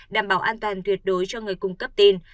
đảm bảo an toàn tuyệt đối cho người cung cấp tin